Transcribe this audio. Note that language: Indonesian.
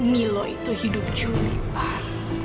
milo itu hidup juli pak